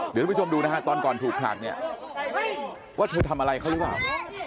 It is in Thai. เดี๋ยวทุกผู้ชมดูนะฮะตอนก่อนถูกผลักเนี่ยว่าเธอทำอะไรเขาหรือเปล่า